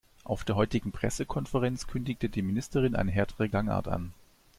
Auf der heutigen Pressekonferenz kündigte die Ministerin eine härtere Gangart an.